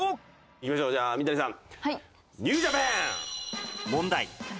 いきましょうじゃあ三谷さん。